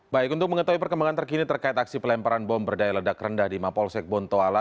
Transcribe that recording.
baik untuk mengetahui perkembangan terkini terkait aksi pelemparan bom berdaya ledak rendah di mapolsek bontoala